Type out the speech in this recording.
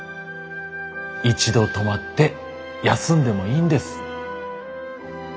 一度止まって休んでもいいんです。